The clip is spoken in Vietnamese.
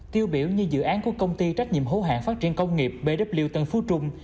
tiêu biểu như dự án của công ty trách nhiệm hữu hạng phát triển công nghiệp bw tân phú trung